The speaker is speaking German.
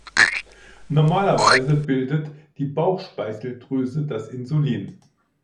Normalerweise bildet die Bauchspeicheldrüse das Insulin.